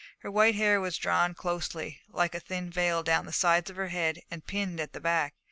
Her white hair was drawn closely, like a thin veil, down the sides of her head and pinned at the back.